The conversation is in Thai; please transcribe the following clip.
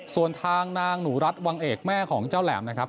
ส่วนทางนางหนูรัฐวังเอกแม่ของเจ้าแหลมนะครับ